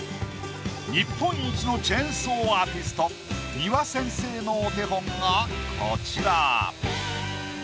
日本一のチェーンソーアーティスト丹羽先生のお手本がこちら。